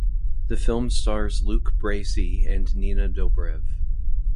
The film stars Luke Bracey and Nina Dobrev.